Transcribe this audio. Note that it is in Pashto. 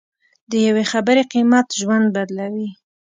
د یوې خبرې قیمت ژوند بدلوي.